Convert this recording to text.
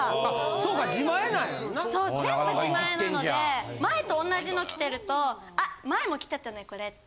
そう全部自前なので前と同じの着てると「あ前も着てたねこれ」って。